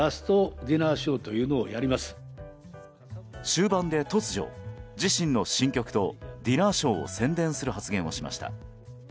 終盤で突如自身の新曲とディナーショーを宣伝する発言をしました。